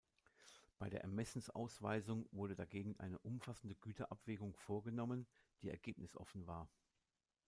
Bei der Ermessens-Ausweisung wurde dagegen eine umfassende Güterabwägung vorgenommen, die ergebnisoffen war.